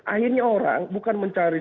akhirnya orang bukan mencari